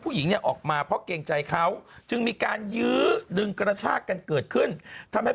ผู้หญิงเนี่ยออกมาเพราะเกรงใจเขาจึงมีการยื้อดึงกระชากกันเกิดขึ้นทำให้